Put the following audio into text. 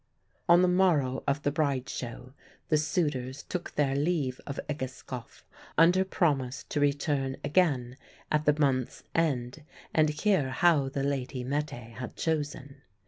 On the morrow of the Bride show the suitors took their leave of Egeskov, under promise to return again at the month's end and hear how the lady Mette had chosen.